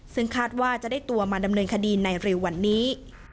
ซึ่งคาดว่าจะได้ตัวมาดำเนินคดีในเร็ววันนี้